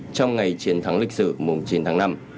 trong ngày chiến thắng lịch sử mùng chín tháng năm